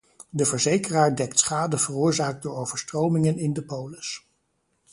De verzekeraar dekt schade veroorzaakt door overstromingen in de polis.